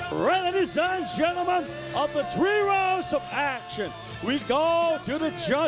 เพื่อรักษาตัวตัวตรงสุด